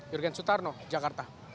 jurgen sutarno jakarta